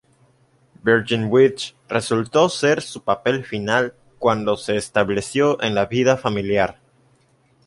Virgin Witch resultó ser su papel final cuando se estableció en la vida familiar.